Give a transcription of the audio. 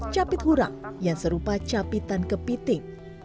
capit hurang yang serupa capitan kepiting